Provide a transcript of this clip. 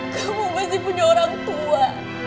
kamu masih punya orang tua